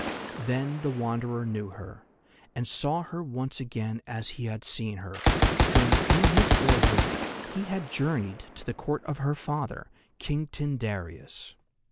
Then the Wanderer knew her, and saw her once again as he had seen her, when in his boyhood he had journeyed to the Court of her father, King Tyndareus.